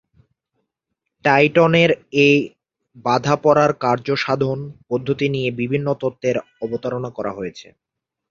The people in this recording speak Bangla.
ট্রাইটনের এই বাঁধা পড়ার কার্যসাধন-পদ্ধতি নিয়ে বিভিন্ন তত্ত্বের অবতারণা করা হয়েছে।